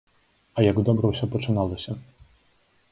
А як добра ўсё пачыналася!